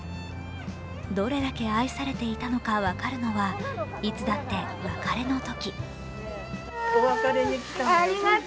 どれだけ愛されていたのか分かるのは、いつだって別れの時。